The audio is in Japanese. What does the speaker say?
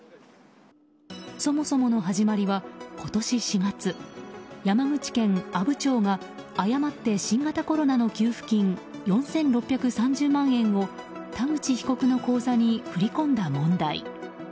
そもそもの始まりは、今年４月山口県阿武町が誤って新型コロナの給付金４６３０万円を田口被告の口座に振り込んだ問題。